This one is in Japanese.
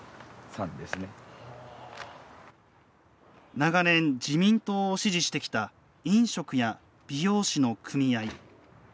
長年自民党を支持してきた飲食や美容師の組合。